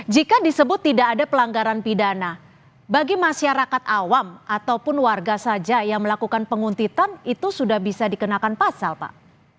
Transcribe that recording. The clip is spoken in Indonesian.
jika disebut tidak ada pelanggaran pidana bagi masyarakat awam ataupun warga saja yang melakukan penguntitan itu sudah bisa dikenakan pasal pak